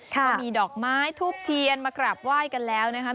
ก็มีดอกไม้ทูบเทียนมากราบไหว้กันแล้วนะครับ